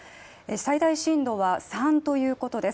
最大震度は３ということです。